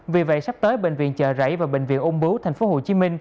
vì vậy sắp tới bệnh viện chợ rẫy và bệnh viện ung bướu tp hcm